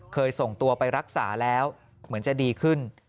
ส่งตัวไปรักษาแล้วเหมือนจะดีขึ้น